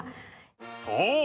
そう。